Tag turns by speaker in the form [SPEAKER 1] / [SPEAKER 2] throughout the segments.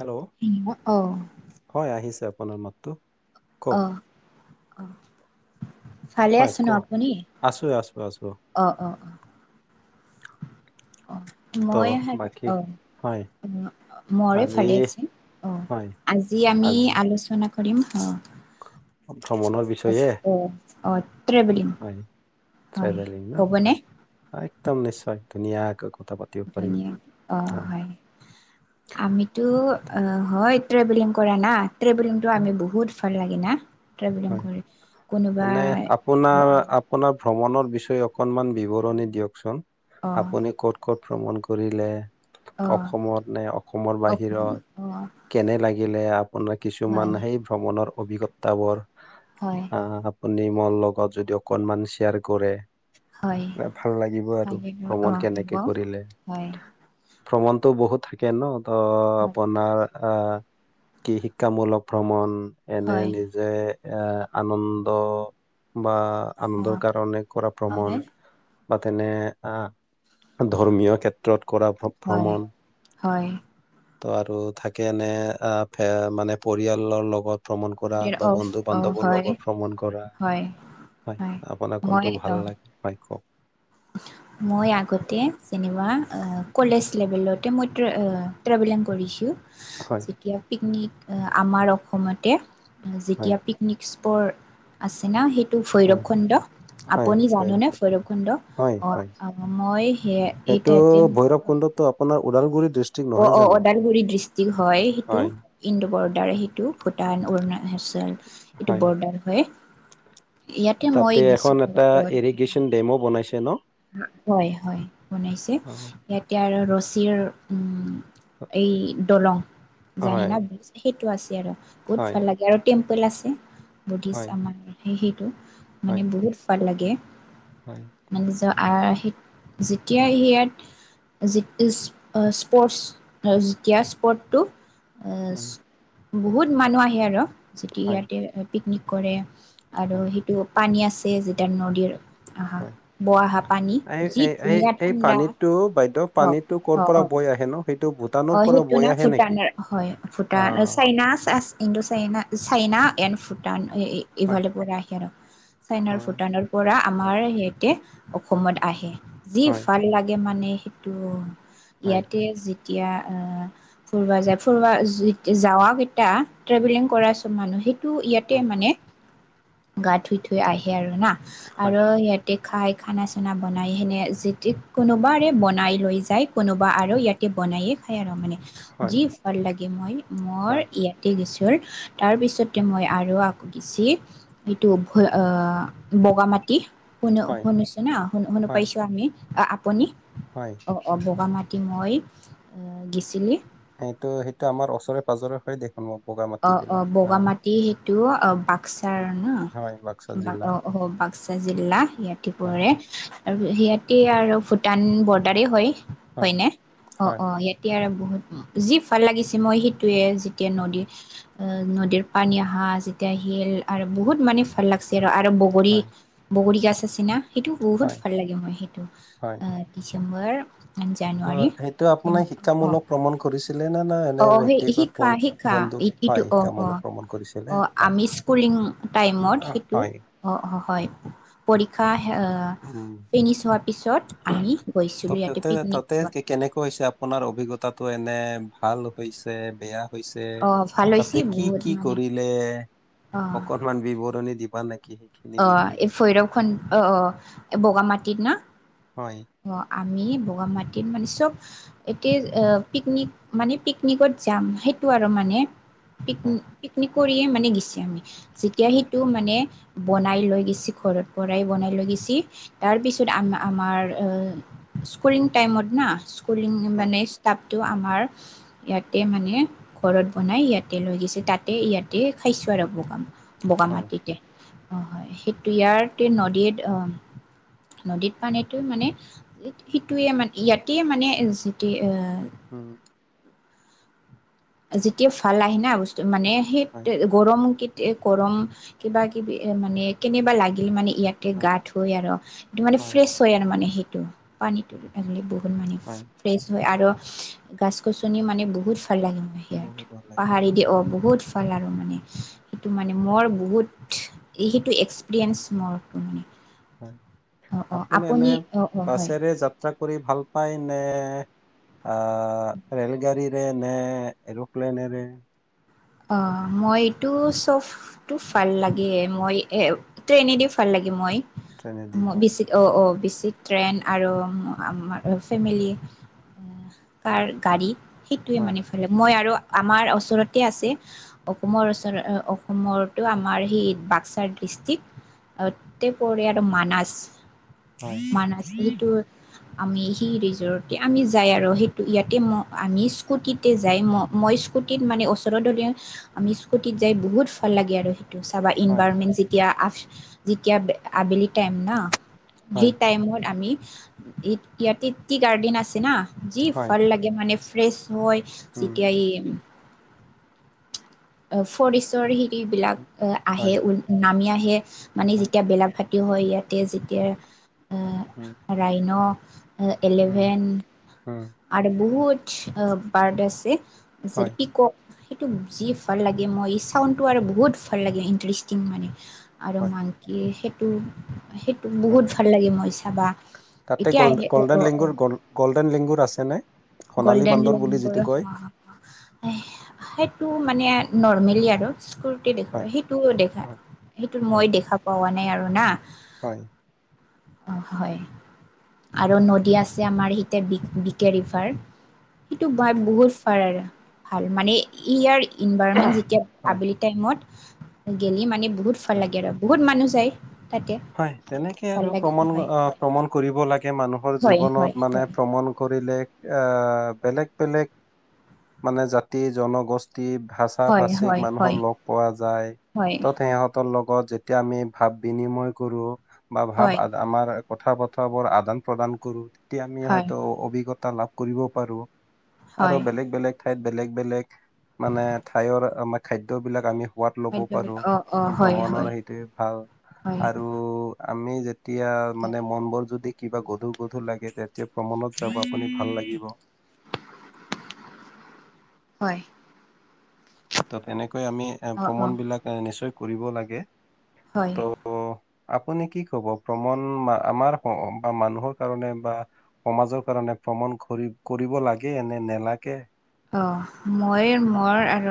[SPEAKER 1] Hello,
[SPEAKER 2] অ
[SPEAKER 1] হয় আহিছে আপোনাৰ মাতটো। কওক
[SPEAKER 2] অহ', অহ', ভালে
[SPEAKER 1] হয়
[SPEAKER 2] আছ ন'
[SPEAKER 1] কোৱা
[SPEAKER 2] আপুনি
[SPEAKER 1] আছো আছো আছো
[SPEAKER 2] অ', অ', অ', অ,
[SPEAKER 1] ত
[SPEAKER 2] মই [unintelligible] অ,
[SPEAKER 1] বাকী
[SPEAKER 2] অ,
[SPEAKER 1] হয়
[SPEAKER 2] মৰে
[SPEAKER 1] আজি
[SPEAKER 2] ভালে আছে অ,
[SPEAKER 1] হয়
[SPEAKER 2] আজি আমি
[SPEAKER 1] আজি
[SPEAKER 2] আলোচনা অ, দিম হা।
[SPEAKER 1] ভ্ৰমণৰ বিচয়ে?
[SPEAKER 2] অ, ট্ৰেভেলিং হয়
[SPEAKER 1] ট্ৰেভেলিং ন
[SPEAKER 2] হ'বনে?
[SPEAKER 1] হয় একদম নিশ্চয় ধুনীয়াকৈ। কথা পাতিব পাৰিম
[SPEAKER 2] ধুনীয়া অ, হয় আমিতো
[SPEAKER 1] তো,
[SPEAKER 2] অ, হয় ট্ৰেভেলিং কৰা না ট্ৰেভেলিংটো
[SPEAKER 1] উম,
[SPEAKER 2] আমি বহুত ভাল লাগে না। ট্ৰেভেলিং
[SPEAKER 1] হয়
[SPEAKER 2] কৰে
[SPEAKER 1] এনে
[SPEAKER 2] কোনোবাই
[SPEAKER 1] আপোনাৰ
[SPEAKER 2] অ', অ',
[SPEAKER 1] আপোনাৰ ভ্ৰমণৰ বিচয়ে অকনমান বিৱৰণী দিয়কচোন
[SPEAKER 2] অ
[SPEAKER 1] আপুনি ক'ত-ক'ত ভ্ৰমণ কৰিলে অসমত নে অসমৰ
[SPEAKER 2] অ
[SPEAKER 1] বাহিৰত?
[SPEAKER 2] অ
[SPEAKER 1] কেনে লাগিলে আপোনাৰ কিছুমান
[SPEAKER 2] হয়
[SPEAKER 1] সেই ভ্ৰমণৰ অভিজ্ঞতা বোৰ
[SPEAKER 2] হয়
[SPEAKER 1] আহ, আপুনি মৰ লগত যদি অকনমান শ্বেয়াৰ কৰে
[SPEAKER 2] হয়
[SPEAKER 1] এনে ভাল লাগিব আৰু
[SPEAKER 2] কালিলৈ অ
[SPEAKER 1] ভ্ৰমণ
[SPEAKER 2] হ'ব
[SPEAKER 1] কেনেকে কৰিলে
[SPEAKER 2] হয়
[SPEAKER 1] ভ্ৰমণটো বহুত থাকে ন ত আপোনাৰ আহ কি শিক্ষামূলক ভ্ৰমণ এনে
[SPEAKER 2] হয়
[SPEAKER 1] নিজে আহ আনন্দ বা
[SPEAKER 2] অ
[SPEAKER 1] আনন্দৰ কাৰণে কৰা ভ্ৰমণ
[SPEAKER 2] হয়
[SPEAKER 1] বা তেনে ধৰ্মীয় ক্ষেত্ৰত কৰা
[SPEAKER 2] হয়
[SPEAKER 1] ভ্ৰমণ।
[SPEAKER 2] হয়
[SPEAKER 1] ত আৰু থাকে এনে আ মানে পৰিয়ালৰ লগত ভ্ৰমণ কৰা বা
[SPEAKER 2] অফ
[SPEAKER 1] বন্ধুক
[SPEAKER 2] অ
[SPEAKER 1] বান্ধবৰ
[SPEAKER 2] হয়
[SPEAKER 1] লগত ভ্ৰমণ কৰা
[SPEAKER 2] হয়
[SPEAKER 1] হয় আপোনাক
[SPEAKER 2] মই
[SPEAKER 1] কোনটো
[SPEAKER 2] অ
[SPEAKER 1] ভাল লাগে হয় কওক?
[SPEAKER 2] মই আগতে যেনিবা কলেজ লেভেলতে মই [unintelligible] [unintelligible] কৰিছোঁ।
[SPEAKER 1] হয়
[SPEAKER 2] যেতিয়া পিকনিক আমাৰ অসমতে
[SPEAKER 1] হয়
[SPEAKER 2] যেতিয়া পিকনিক [unintelligible] আছে ন সেইটো
[SPEAKER 1] হয়,
[SPEAKER 2] ভৈৰৱকুণ্ড,
[SPEAKER 1] হয়,
[SPEAKER 2] আপুনি
[SPEAKER 1] হয়,
[SPEAKER 2] জানেনে ভৈৰৱকুণ্ড?
[SPEAKER 1] হয়, হয়।
[SPEAKER 2] অ' মই সে এই [unintelligible]
[SPEAKER 1] ওদালগুৰিত
[SPEAKER 2] অ অ অ ওদালগুৰি ডিষ্ট্ৰিক্ট হয় সেইটো ইন বৰ্ডাৰ সেইটো ভূটান অৰুণচল এইটো
[SPEAKER 1] হয়।
[SPEAKER 2] বৰ্ডাৰ হয়। ইয়াতে মই
[SPEAKER 1] তাতে এখন এটা
[SPEAKER 2] গৈছিলোঁ
[SPEAKER 1] এৰিগেশ্বন ডেমো বনাইছে ন?
[SPEAKER 2] হয় হয় বনাইছে
[SPEAKER 1] অ,
[SPEAKER 2] ইয়াতে আৰু ৰছীৰ উম এই দলং জানে
[SPEAKER 1] হয়,
[SPEAKER 2] না সেইটো আছে আৰু বহুত
[SPEAKER 1] হয়,
[SPEAKER 2] ভাল লাগে আৰু টে ম্পল আছে বুদ্ধিছ
[SPEAKER 1] হয়,
[SPEAKER 2] আমাৰ সেইটো মানে
[SPEAKER 1] হয়,
[SPEAKER 2] বহুত ভাল লাগে।
[SPEAKER 1] হয়,
[SPEAKER 2] মানে যৰ আৰ্হিত যেতিয়া সেইয়াত [unintelligible] স্পৰ্টছ যেতিয়া স্পৰ্টটো
[SPEAKER 1] উম।
[SPEAKER 2] বহুত মানুহ আহে আৰু যদি
[SPEAKER 1] হয়,
[SPEAKER 2] ইয়াতে পিকনিক কৰে আৰু
[SPEAKER 1] হয়,
[SPEAKER 2] সেইটো পানী আছে যেতিয়া নদীৰ অ' হা
[SPEAKER 1] হয়।
[SPEAKER 2] বোৱা [unintelligible]
[SPEAKER 1] এই এ এই-এই পানীটো বাইদেউ
[SPEAKER 2] অ
[SPEAKER 1] পানীটো কৰ
[SPEAKER 2] অ
[SPEAKER 1] পৰা
[SPEAKER 2] অ
[SPEAKER 1] বৈ আহে নু?
[SPEAKER 2] অ' সেইটো না ভুটানৰ হয় ভুটান,
[SPEAKER 1] অ',
[SPEAKER 2] China, Indo China, China and Bhutan.
[SPEAKER 1] হয়,
[SPEAKER 2] ইফালে পৰা আহে আৰু চায়নাৰ
[SPEAKER 1] অ',
[SPEAKER 2] ভুটানৰ পৰা
[SPEAKER 1] হয়,
[SPEAKER 2] আমাৰ সিহতে অসমত আহে যি
[SPEAKER 1] হয়,
[SPEAKER 2] ভাল লাগে মানে সেটো
[SPEAKER 1] হয়,
[SPEAKER 2] ইয়াতে যি এতিয়া আ ফুৰবা যায় ফুৰবা [unintelligible] কেইটা ট্ৰেভেলিং কৰা চব মানুহিক টো ইয়াতে
[SPEAKER 1] উম,
[SPEAKER 2] মানে গা ধুই থুই আহে আৰু না
[SPEAKER 1] হয়,
[SPEAKER 2] আৰু দে খাই খানা-চানা বনাই সেনে যিতি কোনোবাৰে বনাই লৈ যায় কোনোবা আৰু ইয়াত বনায়ে খাই আৰু মানে
[SPEAKER 1] হয়,
[SPEAKER 2] যি ভাল লাগে মই মৰ
[SPEAKER 1] হয়,
[SPEAKER 2] ইয়াতে গেছো। [unintelligible] তাৰ পিছতে মই আৰু আক গিচি এইটো ভ আ বগা মাটি শুনো
[SPEAKER 1] হয়,
[SPEAKER 2] শুনিছো না শুন শুনা
[SPEAKER 1] হয়,
[SPEAKER 2] পাইছোঁ আমি আপুনি
[SPEAKER 1] হয়।
[SPEAKER 2] অ', অ' বগা মাত এ মই গিছিলি
[SPEAKER 1] সেইটো সেইটো আমাৰ ওচৰে পাঁজৰে স দেখোন মোক
[SPEAKER 2] অ অ বগামাটি সেইটো অ বাক্স
[SPEAKER 1] হয় বাক্সা জিলাত
[SPEAKER 2] আহ আহ বাক্সা জিলা ইয়া
[SPEAKER 1] হয়
[SPEAKER 2] পৰে আৰু সিয়াতে আৰু ভূটান বৰ্ডাৰেই হয়
[SPEAKER 1] হয়
[SPEAKER 2] হয়নে অঁ
[SPEAKER 1] হয়
[SPEAKER 2] অঁ এতিয়া বহুত যি ভাল লাগিছে, মই সেইটোৱে যেতিয়া
[SPEAKER 1] উম,
[SPEAKER 2] নদীত অ' নদীৰ পানী আহা যেতিয়া শিল আৰু বহুত মানে ভাল লাগছি আৰু, আৰু বগৰী,
[SPEAKER 1] হয়
[SPEAKER 2] বগৰী গছ আছি না সেইটো বহুত
[SPEAKER 1] হয়
[SPEAKER 2] ভাল লাগে। মই সেইটো
[SPEAKER 1] হয়
[SPEAKER 2] ডমৰ [inaudible]
[SPEAKER 1] ত'
[SPEAKER 2] জানুৱাৰী,
[SPEAKER 1] সেইটো আপোনাৰ
[SPEAKER 2] অ',
[SPEAKER 1] শিক্ষামূলক ভ্ৰমণ কৰিছিলে নে না এনে
[SPEAKER 2] অ', সৈ
[SPEAKER 1] ব্যক্তিগত
[SPEAKER 2] হিক্কা
[SPEAKER 1] ব-
[SPEAKER 2] হিক্কা
[SPEAKER 1] বন্ধু হয়
[SPEAKER 2] সিটো অ',
[SPEAKER 1] শিক্ষামূলক
[SPEAKER 2] অ',
[SPEAKER 1] ভ্ৰমণ কৰিছিলে
[SPEAKER 2] অ',
[SPEAKER 1] হয়
[SPEAKER 2] আমি স্কুলিং
[SPEAKER 1] উম,
[SPEAKER 2] টাইমত
[SPEAKER 1] আহ,
[SPEAKER 2] সিটো
[SPEAKER 1] হয়
[SPEAKER 2] অ, হয় পৰীক্ষা অ' অ'
[SPEAKER 1] উম
[SPEAKER 2] ফিনিছ হোৱাৰ পিছত আমি
[SPEAKER 1] ত
[SPEAKER 2] গৈছিলোঁ ইয়াতে
[SPEAKER 1] তাতে
[SPEAKER 2] পিকনিক
[SPEAKER 1] তাতে
[SPEAKER 2] খাবা।
[SPEAKER 1] কে- কেনেকৈ হৈছে আপোনাৰ অভিজ্ঞতাটো এনে ভাল হৈছে, বেয়া হৈছে
[SPEAKER 2] অ' ভাল
[SPEAKER 1] তাতে
[SPEAKER 2] হৈছে
[SPEAKER 1] কি
[SPEAKER 2] বহুত
[SPEAKER 1] কি
[SPEAKER 2] মানে
[SPEAKER 1] কৰিলে, অকনমান বিৱৰণী দিবা নে?
[SPEAKER 2] অহ', এই ভৈৰৱ খন অহ, এই বগামাটিত না?
[SPEAKER 1] হয়',
[SPEAKER 2] অ' আমি বগামাটিত মানে চব এতিয়া পিকনিক মানে পিকনিকত যাম। সেই সিটো আৰু মানে পিক
[SPEAKER 1] হয়
[SPEAKER 2] পিকনিক কৰিয়ে মানে গৈছি আমি। যেতিয়া
[SPEAKER 1] হয়
[SPEAKER 2] সেইটো মানে বনাই লৈ গৈছি ঘৰত পৰাই বনাই লৈ গৈছি, তাৰপিছত আ আমাৰ স্কুুলিং টাইমত না, স্কুুলিং
[SPEAKER 1] হয়
[SPEAKER 2] মানে ষ্টাফ টো আমাৰ ইয়াতে মানে ঘৰত বনাই ইয়াতে লৈ গৈছি তাতে ইয়াতে খাইছো আৰু বগা
[SPEAKER 1] হয়
[SPEAKER 2] বগামাটিতে অ হয় সেইটো ইয়াৰটো নদীত অ নদীত পানীটো মানে সেইটোৱে মানে ইয়াতে মানে যিটো এ
[SPEAKER 1] হম্ হম্।
[SPEAKER 2] যিটো ভাল আহে না বস্তু মানে সেই
[SPEAKER 1] হয়,
[SPEAKER 2] গৰম কিত এ, গৰম কিবা কিবি এ মানে কেনেবা লাগিল মানে ইয়াতে
[SPEAKER 1] হয়,
[SPEAKER 2] গা ধুই আৰু টো মানে ফ্ৰেছ হয় আৰু মানে। সেইটো পানীটো, আগে বহুত মানে,
[SPEAKER 1] হয়,
[SPEAKER 2] ফ্ৰেছ হয় আৰু গাছ গছনি মানে বহুত ভাল লাগে। ইয়াত
[SPEAKER 1] বহুত ভাল লাগে।
[SPEAKER 2] পাহাৰে দি অ, বহুত ভাল আৰু মানে, সেইটো মানে মোৰ বহুত সেইটো এক্সপিৰিয়েন্ঞ্চ মোৰ মানে।
[SPEAKER 1] হয়,
[SPEAKER 2] অ অ
[SPEAKER 1] আপুনি এনে
[SPEAKER 2] অ অ হয়
[SPEAKER 1] বাছেৰে যাত্ৰা কৰি ভাল পায় নে? আ ৰেলগাড়ীৰে নে এৰোপ্লেনৰে
[SPEAKER 2] অ মইটো চবটো ভাল লাগে মই এ ট্ৰেইনেদি ভাল লাগে। মই
[SPEAKER 1] ট্ৰেইনেদি হয়,
[SPEAKER 2] বেছিত অ অ বেছি ট্ৰেন আৰু আমাৰ ফেমিলি কাৰ
[SPEAKER 1] উম,
[SPEAKER 2] গাড়ীত সেইটোৱে
[SPEAKER 1] হয়,
[SPEAKER 2] মানে ভাল মই আৰু আমাৰ ওচৰতে আছে। অসমৰ ওচৰত অসমটো আমাৰ সেই বাক্সাৰ ডিষ্ট্ৰিক। আৰু গোটেই পৰিয়াল আৰু মানাছ
[SPEAKER 1] হয়,
[SPEAKER 2] মানাছ এইটোত আমি সেই ৰিজৰ্ট আমি যাই আৰু সেইটো ইয়াতে ম আমি স্কুটিতে যাই। মই ম স্কুটিত মানে ওচৰৰ দৰে আমি স্কুটিত যাই বহুত ভাল লাগে আৰু সেইটো চাবা।
[SPEAKER 1] হয়,
[SPEAKER 2] ইনভাৰমেন যেতিয়া আ যেতিয়া আ আবেলি টাইম না? সেই
[SPEAKER 1] হয়,
[SPEAKER 2] টাইমত আমি ই ইয়াতে টি গাৰ্ডেন আছে না, যি
[SPEAKER 1] হয়,
[SPEAKER 2] ভাল লাগে মানে ফ্ৰেচ হয়।
[SPEAKER 1] উম,
[SPEAKER 2] যেতিয়া এই ফৰেষ্টৰ হেৰি বিলাক
[SPEAKER 1] উম,
[SPEAKER 2] আহে
[SPEAKER 1] হয়,
[SPEAKER 2] নামি আহে। মানে
[SPEAKER 1] হয়,
[SPEAKER 2] যেতিয়া বেলা ভাত হয় ইয়াতে যেতিয়া
[SPEAKER 1] উম,
[SPEAKER 2] ৰাইন
[SPEAKER 1] উম,
[SPEAKER 2] এলিভেন
[SPEAKER 1] উম,
[SPEAKER 2] আৰু বহুত বাৰ্ড আছে। যে
[SPEAKER 1] হয়,
[SPEAKER 2] পিকক সেইটো যি ভাল লাগে
[SPEAKER 1] উম,
[SPEAKER 2] মই চাউন্দ টো আৰু বহুত ভাল লাগে ইন্টাৰেষ্টিং মানে আৰু
[SPEAKER 1] হয়,
[SPEAKER 2] মাঙকি সেইটো সেইটো
[SPEAKER 1] হয়,
[SPEAKER 2] বহুত ভাল লাগে মই চাবা।
[SPEAKER 1] তাতে
[SPEAKER 2] এতিয়া
[SPEAKER 1] গল
[SPEAKER 2] আহে অ
[SPEAKER 1] গল্ডেন
[SPEAKER 2] অ
[SPEAKER 1] লিংগুৰ গল গল্ডেন লিংগুৰ আছেনে? সোণালী
[SPEAKER 2] গল্ডেন ল
[SPEAKER 1] বান্দৰ বুলি যিটো
[SPEAKER 2] বয়স
[SPEAKER 1] কয়,
[SPEAKER 2] সেইটো মানে নৰ্মেলি আৰু স্কুৰ্তি
[SPEAKER 1] হয়,
[SPEAKER 2] দেখুৱায় সেইটোও দেখাই।
[SPEAKER 1] হয়,
[SPEAKER 2] সেইটো
[SPEAKER 1] হয়,
[SPEAKER 2] মই দেখা পোৱা নাই আৰু না
[SPEAKER 1] হয়।
[SPEAKER 2] অ হয় আৰু নদী আছে আমাৰ সিতে বি বিক ৰিভাৰ। সেইটো ব বহু ফাৰৰ ভাল মানে ইয়াৰ ইনভাইৰনমেন্ট যেতিয়া
[SPEAKER 1] হয়,
[SPEAKER 2] আবেলি টাইমত গি মানে বহুত ভাল
[SPEAKER 1] হয়।
[SPEAKER 2] লাগে আৰু বহুত মানু যাই
[SPEAKER 1] হয় তেনেকে আৰু প্ৰমাণ আ
[SPEAKER 2] হয়
[SPEAKER 1] প্ৰমাণ কৰিব লাগে মানুহ হ'ল
[SPEAKER 2] হয় হয়
[SPEAKER 1] জীৱনত মানে ভ্ৰমণ কৰ কৰিলেক আ বেলেগ বেলেগ মানে জাতি জনগষ্ঠ টি ভাষা
[SPEAKER 2] হয়
[SPEAKER 1] ভাচিক
[SPEAKER 2] হয় হয়
[SPEAKER 1] মানুহক লগ পোৱা যায়
[SPEAKER 2] হয়
[SPEAKER 1] তত সিহঁতৰ লগ লগত যেতিয়া আমি ভাৱ বিনিময় কৰো বা ভাৱ
[SPEAKER 2] হয়
[SPEAKER 1] আমাৰ কথা বতৰাবোৰ আদান-প্ৰদান কৰো, তেতিয়া আমি
[SPEAKER 2] হয়
[SPEAKER 1] হয়তো অভিজ্ঞতা লাভ কৰিব পাৰো। আৰু
[SPEAKER 2] হয়
[SPEAKER 1] বেলেগ বেলেগ ঠাইত বেলেগ বেলেগ মানে ঠাইৰ আমাৰ খাদ্যবিলাক আমি সোৱাদ ল'ব
[SPEAKER 2] হয়
[SPEAKER 1] পাৰো।
[SPEAKER 2] অ অ হয়
[SPEAKER 1] ভ্ৰমণৰ
[SPEAKER 2] হয়
[SPEAKER 1] সেইটোৱে ভাল।
[SPEAKER 2] হয়
[SPEAKER 1] আৰু আমি যেতিয়া
[SPEAKER 2] হয়
[SPEAKER 1] মানে মন বোৰ যদি কিবা গধুৰ গধুৰ লাগে তেতিয়া ভ্ৰমণত যাব
[SPEAKER 2] হয়
[SPEAKER 1] আপুনি ভাল লাগিব।
[SPEAKER 2] হয়।
[SPEAKER 1] ত তেনেকৈ আমি
[SPEAKER 2] অ অ
[SPEAKER 1] ভ্ৰমণ বিলাক নিশ্চয় কৰিব লাগে।
[SPEAKER 2] হয়।
[SPEAKER 1] ত' আপুনি কি কব ভ্ৰমণ আমাৰ বা মানুহৰ কাৰণে বা সমাজৰ কাৰণে ভ্ৰমণ কৰি কৰিব লাগে নে নেলাগে?
[SPEAKER 2] অ মই মোৰ আৰ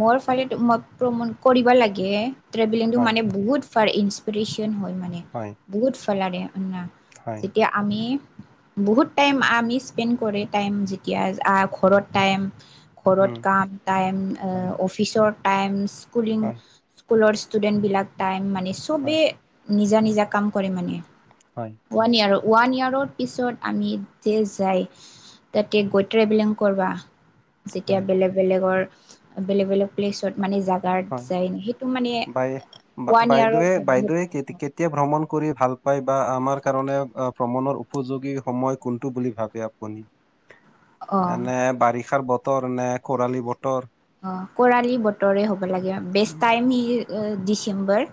[SPEAKER 2] মোৰ ফালে তোমাক প্ৰমাণ কৰিবা লাগে। ট্ৰেভেলিংটো
[SPEAKER 1] হয়
[SPEAKER 2] মানে বহুত ফাৰ ইন্সফেৰেচন হয় মানে
[SPEAKER 1] হয়
[SPEAKER 2] বহুত ফালাৰে। আননা
[SPEAKER 1] হয়
[SPEAKER 2] যেতিয়া আমি বহুত টাইম আমি স্পেণ্ড কৰি টাইম যেতিয়া আ ঘৰত টাইম ঘৰত
[SPEAKER 1] উম
[SPEAKER 2] কাম টাইম
[SPEAKER 1] হয়
[SPEAKER 2] অফিচৰ টাইম স্কুলিং
[SPEAKER 1] হয়
[SPEAKER 2] স্কুলৰ ষ্টুডেণ্টবিলাক টাইম মানে
[SPEAKER 1] হয়
[SPEAKER 2] চবেই নিজা নিজা কাম কৰে মানে।
[SPEAKER 1] হয়
[SPEAKER 2] ওৱান ইয়াৰ ওৱান ইয়াৰৰ পিছত আমি যে যাই তাতে গৈ ট্ৰেবেলং কৰবা যেতিয়া
[SPEAKER 1] হয়
[SPEAKER 2] বেলেগ বেলেগৰ বেলেগ বেলেগ প্লেছত মানে জোগাত
[SPEAKER 1] হয়
[SPEAKER 2] যায় নৈ সেইটো মানে
[SPEAKER 1] বাই বা-
[SPEAKER 2] ওৱান ইয়াৰৰ
[SPEAKER 1] বাইদেৱে
[SPEAKER 2] বহুত
[SPEAKER 1] বাইদেৱে
[SPEAKER 2] ভাল
[SPEAKER 1] কেতি-
[SPEAKER 2] পাওঁ।
[SPEAKER 1] কেতিয়া ভ্ৰমণ কৰি ভাল পাই বা আমাৰ কাৰণে ভ্ৰমণৰ উপযোগী সময় কোনটো বুলি ভাবে আপুনি?
[SPEAKER 2] অ',
[SPEAKER 1] এনে বাৰিষাৰ বতৰ নে খৰালি বতৰ?
[SPEAKER 2] অ কৰালি বতৰে হ'ব লাগে বেষ্ট
[SPEAKER 1] উম,
[SPEAKER 2] টাইম ই ডিচেম্বৰ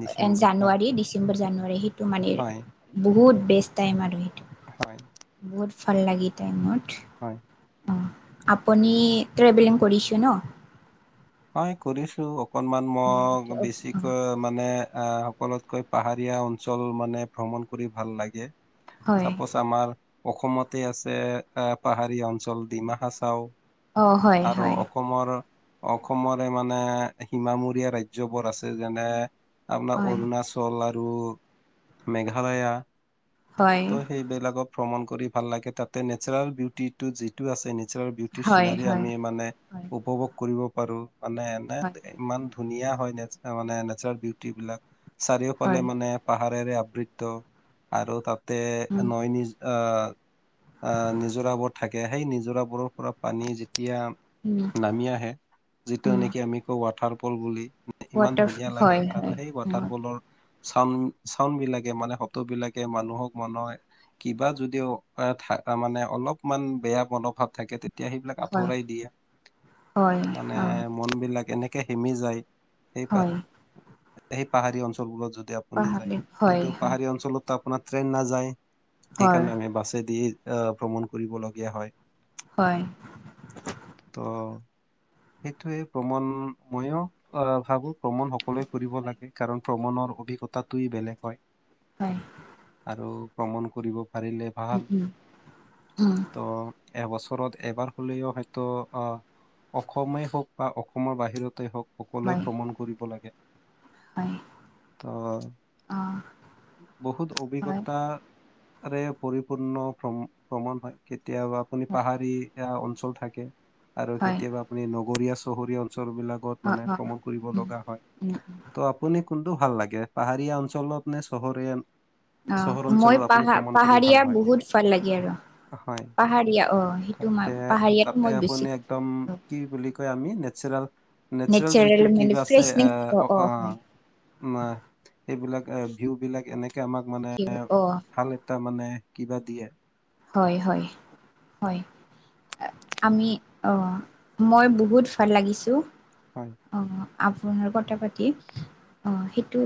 [SPEAKER 1] ডিচেম্বৰ হয়
[SPEAKER 2] জানুৱাৰী ডিচেম্বৰ জানুৱাৰী সেইটো মানে
[SPEAKER 1] হয়
[SPEAKER 2] বহুত বেষ্ট টাইম আৰু সে
[SPEAKER 1] হয়।
[SPEAKER 2] ফাল লাগি টাইমত।
[SPEAKER 1] হয়।
[SPEAKER 2] অ আপুনি ট্ৰেভেলিং কৰিছে ন?
[SPEAKER 1] হয় কৰিছো অকনমান মই
[SPEAKER 2] অ',
[SPEAKER 1] বেছিকৈ মানে অহ সকলোতকৈ পাহাৰীয়া অঞ্চল মানে ভ্ৰমণ কৰি ভাল লাগে
[SPEAKER 2] হয়
[SPEAKER 1] চাপোজ আমাৰ অসমতে আছে এ পাহাৰী অঞ্চল ডিমা হাচাও
[SPEAKER 2] অ', হয়,
[SPEAKER 1] আৰু
[SPEAKER 2] হয়,
[SPEAKER 1] অসমৰ অসমৰে মানে সীমা মূৰীয়া ৰাজ্যবোৰ আছে যেনে আপোনাৰ
[SPEAKER 2] হয়, হয়,
[SPEAKER 1] অৰুণাচল আৰু মেঘালয়া
[SPEAKER 2] হয়,
[SPEAKER 1] ত' সেইবিলাকক ভ্ৰমণ কৰি ভাল লাগে তাতে নেচাৰেল বিউটিটো যিটো আছে নেছনেল বিউটি
[SPEAKER 2] হয়,
[SPEAKER 1] চিনাৰী
[SPEAKER 2] হয়,
[SPEAKER 1] আমি মানে উপভোগ কৰিব পাৰো মানে এনে
[SPEAKER 2] হয়,
[SPEAKER 1] ইমান ধুনীয়া হয়ে মানে নেচাৰেল বিউটি বিলাক চাৰিওফালে
[SPEAKER 2] হয়,
[SPEAKER 1] মানে পাহ পাহাৰেৰে আবৃত্ত আৰু তাতে
[SPEAKER 2] উম,
[SPEAKER 1] নৈ নিজ আহ আহ নিজৰাবোৰ থাকে সেই নিজৰাবোৰৰ পৰা পানী যেতিয়া
[SPEAKER 2] উম,
[SPEAKER 1] নামি আহে যিটো
[SPEAKER 2] উম।
[SPEAKER 1] নেকি আমি কওঁ ৱাটাৰ ফল বুলি ইমান
[SPEAKER 2] ৱাটাৰ
[SPEAKER 1] ধুনীয়া লাগে
[SPEAKER 2] হয়
[SPEAKER 1] আৰু
[SPEAKER 2] হয়
[SPEAKER 1] সেই ৱাটাৰ ফলৰ চাউন চাউন বিলাকে মানে শব্দ বিলাকে মানুহক মনয় কিবা যদিও মানে অলপমান বেয়া মনোভাৱ থাকে তে তেতিয়া সেইবিলাক আঁতৰাই দিয়ে
[SPEAKER 2] হয়
[SPEAKER 1] মানে
[SPEAKER 2] হয় অ
[SPEAKER 1] মন বিলাক এনেকে সেমি যায় সেই পা-
[SPEAKER 2] হয়
[SPEAKER 1] সেই পাহাৰী অঞ্চলবোৰত যদি আপুনি যায়
[SPEAKER 2] পাহাৰীত হয়
[SPEAKER 1] কিন্তু পাহাৰী অঞ্চলত আপোনাৰ ট্ৰেইন নাযায়
[SPEAKER 2] হয়
[SPEAKER 1] সেইকাৰণে আমি বাছে দি ভ্ৰমণ কৰিবলগীয়া হয় ত
[SPEAKER 2] [inaudible]
[SPEAKER 1] সেইটোয়ে ভ্ৰমণ ময়ো আহ ভাবো ভ্ৰমণ সকলোৱে কৰিব
[SPEAKER 2] হয়
[SPEAKER 1] লাগে কাৰণ ভ্ৰমণৰ অ সেই কথাটোৱে বেলেগ হয়।
[SPEAKER 2] হয়।
[SPEAKER 1] আৰু ভ্ৰমণ কৰিব পাৰিলে ভাল।
[SPEAKER 2] উম উম উম
[SPEAKER 1] ত এবছৰত এবাৰ হ'লেও হয়তো আহ অসমেই হওক বা অসমৰ বাহিৰতে হওক সকলোৱে
[SPEAKER 2] হয়
[SPEAKER 1] ভ্ৰমণ কৰিব লাগে।
[SPEAKER 2] হয়
[SPEAKER 1] অ।
[SPEAKER 2] অ
[SPEAKER 1] বহুত
[SPEAKER 2] হয়
[SPEAKER 1] অভিজ্ঞতা পৰিপূৰ্ণ ভ্ৰমণ হয় কেতিয়াবা আপুনি
[SPEAKER 2] হয়
[SPEAKER 1] পাহাৰী সেয়া। [unintelligible] থাকে আৰু
[SPEAKER 2] হয়
[SPEAKER 1] কেতিয়াবা আপুনি নগৰীয়া চহৰীয়া অঞ্চল বিলাকত
[SPEAKER 2] অ
[SPEAKER 1] মানে
[SPEAKER 2] অ
[SPEAKER 1] ভ্ৰমণ
[SPEAKER 2] উম
[SPEAKER 1] কৰিবলগীয়া হয়
[SPEAKER 2] উম
[SPEAKER 1] ত ' আপুনি কোনটো ভাল লাগে পাহাৰীয়া অঞ্চলত নে চহৰীয়াল?
[SPEAKER 2] অ, মই
[SPEAKER 1] ভাল
[SPEAKER 2] পাহা-পাহাৰীয়া
[SPEAKER 1] হয়
[SPEAKER 2] বহুত ভাল লাগে আৰু।
[SPEAKER 1] হয়
[SPEAKER 2] পাহাৰীয়া অ, সেইটো মই
[SPEAKER 1] তাতে
[SPEAKER 2] পাহাৰীয়াটো
[SPEAKER 1] তাতে
[SPEAKER 2] মই
[SPEAKER 1] আপুনি
[SPEAKER 2] বেছি
[SPEAKER 1] একদম কি বুলি কয় আমি নেচাৰাল-নেচাৰেল
[SPEAKER 2] নেচাৰেল
[SPEAKER 1] যিটো কিব
[SPEAKER 2] মানে
[SPEAKER 1] আছে এ,
[SPEAKER 2] ফ্ৰেছনেছ
[SPEAKER 1] অ, আ
[SPEAKER 2] হয়
[SPEAKER 1] মাহ সেইবিলাক এ ভিউ বিলাক এনেকে আমাক মানে
[SPEAKER 2] অ
[SPEAKER 1] ভাল এটা মানে কিবা দিয়ে।
[SPEAKER 2] হয়-হয়-হয় আমি অ মই বহুত ভাল লাগিছোঁ।
[SPEAKER 1] হয়
[SPEAKER 2] অহ আপোনাৰ কথা পাতি অহ সেইটো।